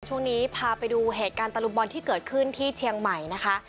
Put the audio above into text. ช่วงนี้พาไปดูเหตุการณ์ตะลุมบอลที่เกิดขึ้นที่เชียงใหม่นะคะ